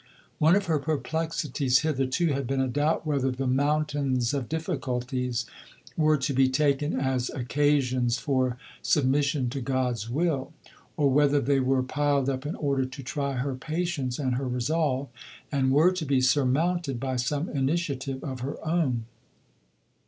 One of her perplexities hitherto had been a doubt whether the "mountains of difficulties" were to be taken as occasions for submission to God's will, or whether they were piled up in order to try her patience and her resolve, and were to be surmounted by some initiative of her own.